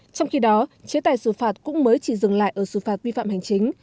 trong khi đó chế tài xử phạt cũng mới chỉ dừng lại ở xử phạt vi phạm hành chính